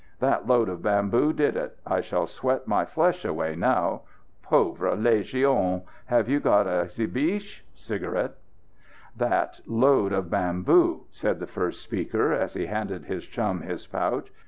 That load of bamboo did it. I shall sweat my flesh away now. Pauvre Légion! Have you got a cibiche (cigarette)?" "That load of bamboo!" said the first speaker, as he handed his chum his pouch.